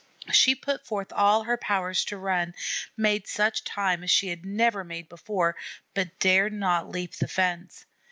She put forth all her powers to run, made such time as she had never made before, but dared not leap the fence.